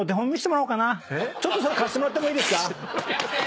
ちょっとそれ貸してもらってもいいですか。